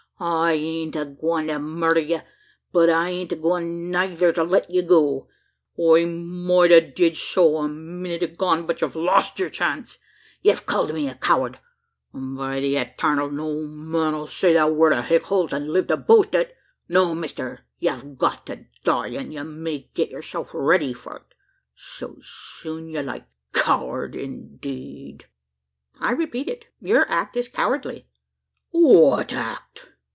I ain't agwine to murder ye; but I ain't agwine neyther to let ye go. I mout a did so a minnit agone, but ye've lost yur chance. Ye've called me a coward; an' by the Etarnal! no man 'll say that word o' Hick Holt, an' live to boast o't. No, mister! ye've got to die; an' ye may get yurself ready for't, 's soon's ye like. Coward indeed!" "I repeat it your act is cowardly." "What act?"